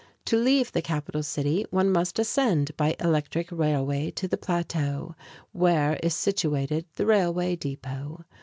To leave the capital city, one must ascend by electric railway to the plateau, where is situated the railway depot.